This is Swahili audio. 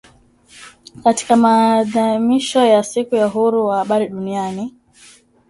Katika maadhimisho ya siku ya Uhuru wa Habari Duniani